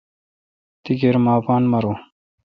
تی کیر مہ اپان ماروں۔